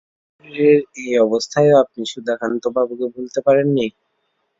শরীরের এই অবস্থায়ও আপনি সুধাকান্তবাবুকে ভুলতে পারেন নি?